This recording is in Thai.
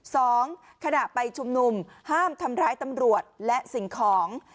สองขณะไปชุมนุมห้ามทำร้ายตำรวจและสิ่งของ